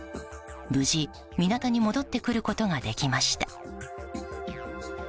無事、港に戻ってくることができました。